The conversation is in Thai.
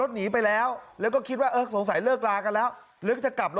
สวัสดีครับ